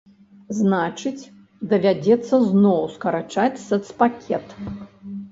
Значыць, давядзецца зноў скарачаць сацпакет.